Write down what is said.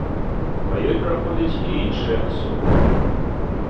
Па ёй праходзяць і іншыя асобы.